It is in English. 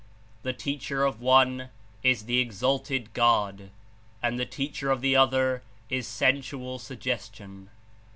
The teacher of one Is the Exalted God, and the teacher of the other Is sensual suggestion.